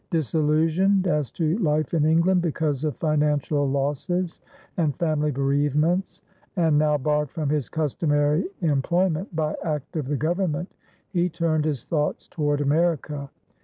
Disillusioned as to life in England because of financial losses and family bereavements, and now barred from his customary employment by act of the Government, he turned his thoughts toward America.